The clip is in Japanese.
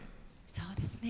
そうですね。